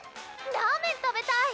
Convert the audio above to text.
「ラーメン食べたい」